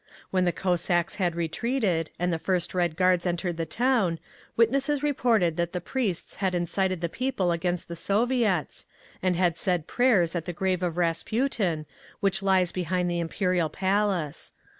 When the Cossacks had retreated, and the first Red Guards entered the town, witnesses reported that the priests had incited the people against the Soviets, and had said prayers at the grave of Rasputin, which lies behind the Imperial Palace.